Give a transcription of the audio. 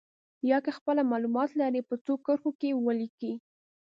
یا که خپله معلومات لرئ په څو کرښو کې یې ولیکئ.